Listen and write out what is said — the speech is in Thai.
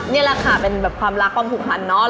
นี่แหละค่ะเป็นแบบความรักความผูกพันเนาะ